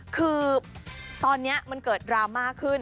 คือตอนนี้มันเกิดดราม่าขึ้น